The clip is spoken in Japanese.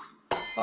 あ！